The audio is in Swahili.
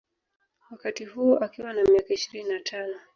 Wakati huo akiwa na miaka ishirini na tano